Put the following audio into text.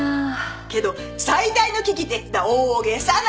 けど最大の危機って大げさな。